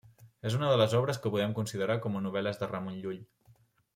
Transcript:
És una de les obres que podem considerar com a novel·les de Ramon Llull.